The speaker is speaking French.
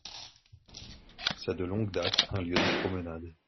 C'est de longue date un lieu de promenade.